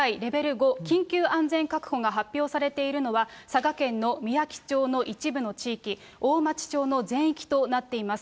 ５、緊急安全確保が発表されているのは、佐賀県のみやき町の一部の地域、大町町の全域となっています。